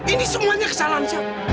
ini semuanya kesalahan saya